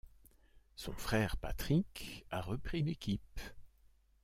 Son frère Patrick a repris l'équipe.